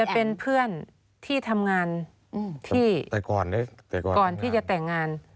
อาจจะเป็นเพื่อนที่ทำงานก่อนที่จะแต่งงาน